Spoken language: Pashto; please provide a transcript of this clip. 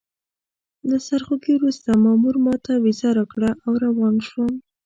له سرخوږي وروسته مامور ماته ویزه راکړه او روان شوم.